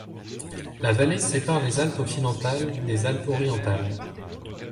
La vallée sépare les Alpes occidentales des Alpes orientales.